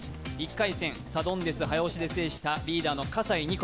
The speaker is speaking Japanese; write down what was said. １回戦サドンデスを早押しで制した、リーダーの笠井虹来。